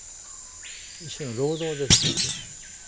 一種の労働ですよ。